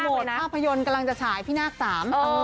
โปรโมทภาพยนต์กำลังจะฉายพี่นาค๓